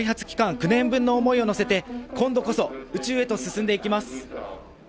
９年分の思いを乗せて今度こそ宇宙と進んでいきます。